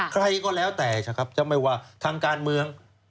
ใครก็แล้วแต่นะครับจะไม่ว่าทางการเมือง